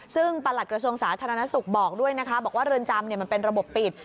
ซึ่งปราตกระทรวงสาธารณสุขบอกมันเป็นระบบปิด